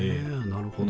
なるほど。